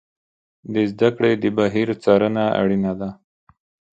د زده کړې د بهیر څارنه اړینه ده.